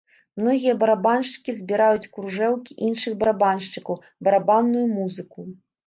Многія барабаншчыкі збіраюць кружэлкі іншых барабаншчыкаў, барабанную музыку.